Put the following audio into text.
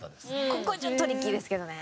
ここちょっとトリッキーですけどね。